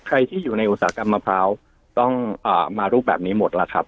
ที่อยู่ในอุตสาหกรรมมะพร้าวต้องมารูปแบบนี้หมดแล้วครับ